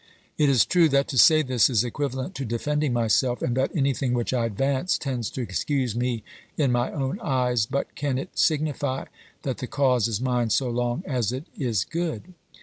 It is true that to say this is equivalent to defending myself, and that anything which I advance tends to excuse me in my own eyes, but can it signify that the cause is mine so long as it is good